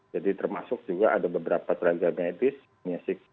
jadi termasuk juga ada beberapa tragedi medis